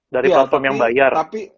dari platform yang bayar